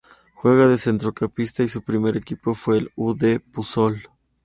Juega de centrocampista y su primer equipo fue el U. D. Puzol.